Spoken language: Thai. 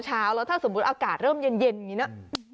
เช้าแล้วถ้าสมมุติอากาศเริ่มเย็นอย่างนี้เนอะ